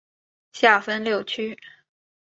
下分六区。